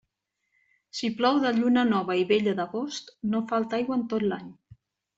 Si plou de lluna nova i vella d'agost, no falta aigua en tot l'any.